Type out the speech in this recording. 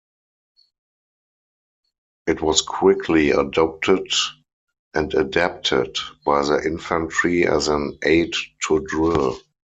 It was quickly adopted and adapted by the Infantry as an aid to drill.